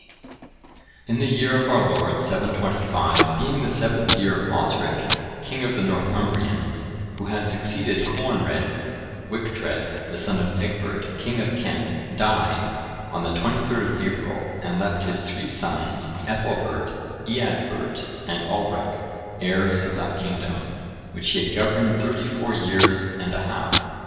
D.] In the year of our Lord 725, being the seventh year of Osric,(996) king of the Northumbrians, who had succeeded Coenred, Wictred,(997) the son of Egbert, king of Kent, died on the 23rd of April, and left his three sons, Ethelbert, Eadbert, and Alric,(998) heirs of that kingdom, which he had governed thirty four years and a half.